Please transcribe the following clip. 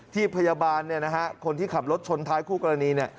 ที่พยาบาลคนที่ขับรถชนท้ายคู่กรณี